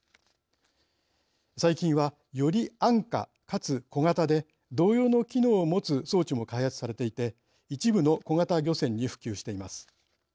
最近はより安価かつ小型で同様の機能を持つ装置も開発されていて一部の小型漁船に普及しています。